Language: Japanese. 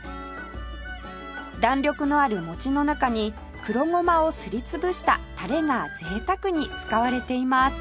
弾力のある餅の中に黒ごまをすり潰したたれが贅沢に使われています